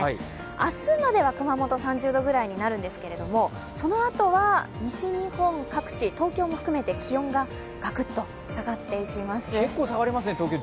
明日までは熊本３０度ぐらいになるんですけれども、そのあとは西日本各地東京も含めて気温ががくっと下がっていきます。